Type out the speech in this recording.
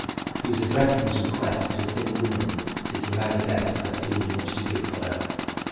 He was addressing his request to a thin woman sitting behind a desk that seemed much too big for her.